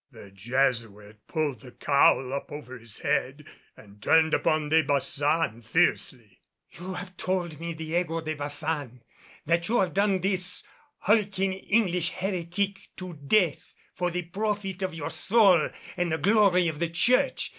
The Jesuit pulled the cowl up over his head and turned upon De Baçan fiercely. "You have told me, Diego de Baçan, that you have done this hulking English heretic to death for the profit of your soul and the glory of the Church.